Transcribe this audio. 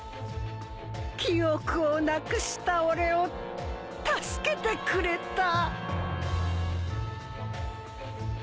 記憶をなくした俺を助けてくれた